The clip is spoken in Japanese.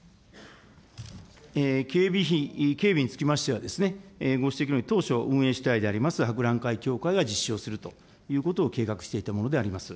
警備費、警備につきましては、ご指摘のように、当初運営主体であります、博覧会協会が実施をするということを計画していたものであります。